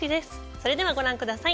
それではご覧ください。